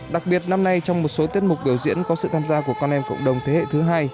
đặc biệt năm nay trong một số tiết mục biểu diễn có sự tham gia của con em cộng đồng thế hệ thứ hai